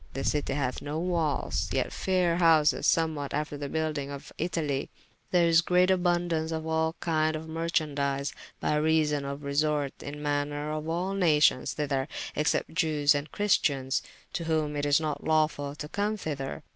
This citie hath no walles, yet fayre houses, somewhat after the buyldyng of Italie. Here is great aboundaunce of all kynd of merchandies, by reason of resorte in manner of all nations thyther, except jewes and christians, to whom it is not lawfull to come thyther.